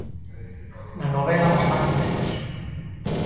Na novela bastante menos.